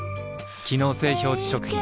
機能性表示食品